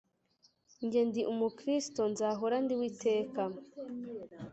Njye ndi umukirisitu nzahora ndiwe iteka